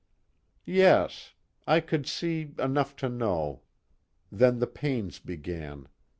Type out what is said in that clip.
"Yes. I could see enough to know. Then the pains began.